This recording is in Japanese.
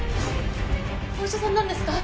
お医者さんなんですか？